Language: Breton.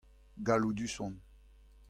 Galloudus on.